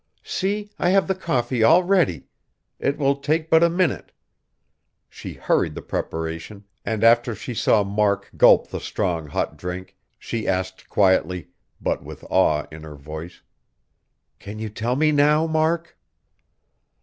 See, I have the coffee all ready; it will take but a minute." She hurried the preparation, and after she saw Mark gulp the strong, hot drink, she asked quietly, but with awe in her voice, "Can you tell me now, Mark?"